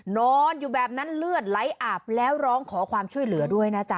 นอนอยู่แบบนั้นเลือดไหลอาบแล้วร้องขอความช่วยเหลือด้วยนะจ๊